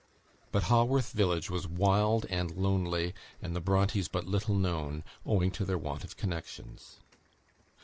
But Haworth village was wild and lonely, and the Brontes but little known, owing to their want of connections.